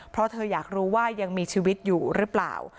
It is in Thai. เพราะเธออยากรู้ว่ายังมีชีวิตอยู่หรือเปล่า